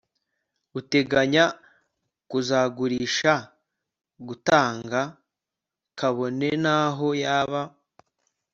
uteganya kuzagurisha gutanga kabone naho yaba